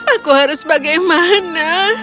aku harus bagaimana